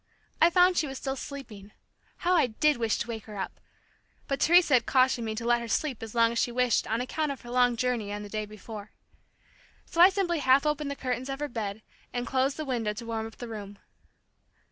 I found she was still sleeping. How I did wish to wake her up! But Teresa had cautioned me to let her sleep as long as she wished on account of her long journey of the day before. So I simply half opened the curtains of her bed and closed the window to warm up the room.